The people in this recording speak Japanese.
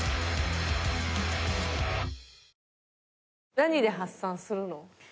何で発散するの？